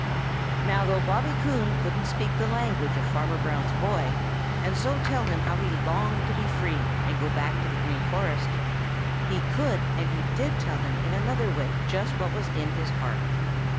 |NOW though Bobby Coon couldn't speak the language of Farmer Brown's boy and so tell him how he longed to be free and go back to the Green Forest, he could and he did tell him in another way just what was in his heart.